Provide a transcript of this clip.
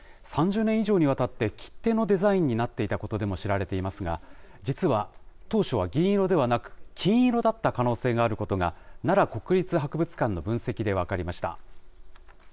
３０年以上にわたって切手のデザインになっていたことでも知られていますが、実は、当初は銀色ではなく、金色だった可能性があることが、奈良国立博物館の分析で分かりました。